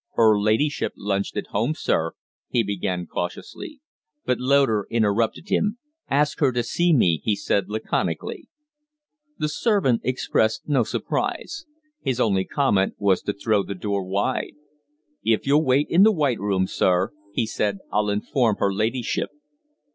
"Her ladyship lunched at home, sir " he began, cautiously. But Loder interrupted him. "Ask her to see me," he said, laconically. The servant expressed no surprise. His only comment was to throw the door wide. "If you'll wait in the white room, sir," he said, "I'll inform her ladyship."